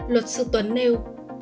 luật sư tuấn nêu